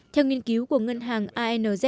theo nghiên cứu của ngân hàng anz